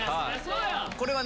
これはね